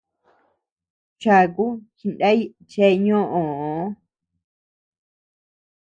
Chaku jinay chéa ñoʼoo.